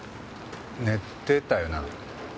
寝てたよな？